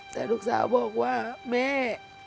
แต่ลูกสาวบอกว่าแม่